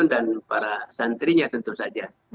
para santrinya tentu saja